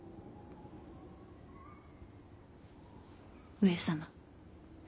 上様。